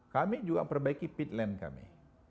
kami juga perbaiki petland kami